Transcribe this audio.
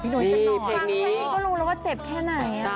พี่นุ้ยที่๒สัปดาห์เอง